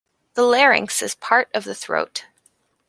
The larynx is part of the throat.